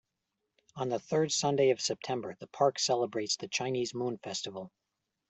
On the third Sunday of September, the park celebrates the Chinese Moon Festival.